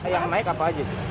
yang naik apa aja